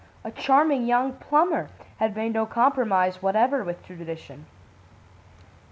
A charming young plumber had made no compromise whatever with tradition.